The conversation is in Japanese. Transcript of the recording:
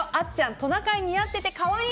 トナカイ似合ってて可愛い。